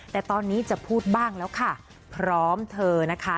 แต่ตอนนี้จะพูดบ้างแล้วค่ะพร้อมเธอนะคะ